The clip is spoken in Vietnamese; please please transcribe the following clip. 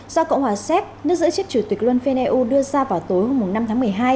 do cộng hòa sép nước giữ chức chủ tịch luân phiên eu đưa ra vào tối hôm năm tháng một mươi hai